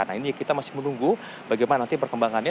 nah ini kita masih menunggu bagaimana nanti perkembangannya